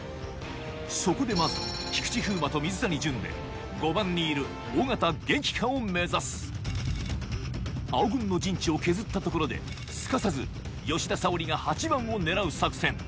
そこでまず菊池風磨と水谷隼で５番にいる尾形撃破を目指す青軍の陣地を削ったところですかさず吉田沙保里が８番を狙う作戦